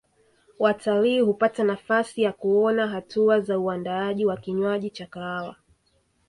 Watalii hupata nafasi ya kuona hatua za uandaaji wa kinywaji cha kahawa